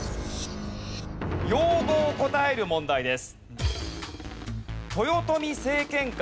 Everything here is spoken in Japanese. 用語を答える問題です。